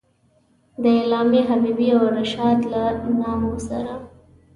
د علامه حبیبي او رشاد له نامو سره.